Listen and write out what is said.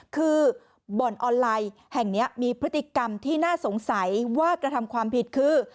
คือบ่อนออนไลน์แห่งนี้มีพฤติกรรมที่น่าสงสัยว่ากระทำความผิดคือ